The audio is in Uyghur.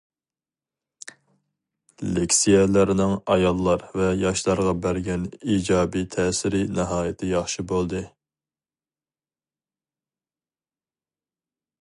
لېكسىيەلەرنىڭ ئاياللار ۋە ياشلارغا بەرگەن ئىجابىي تەسىرى ناھايىتى ياخشى بولدى.